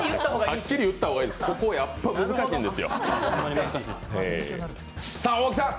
はっきり言った方がいいです、ここやっぱり難しいんです。